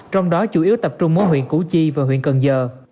trong đó chủ yếu tập trung ở huyện củ chi và huyện cần giờ